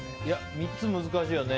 ３つ難しいよね。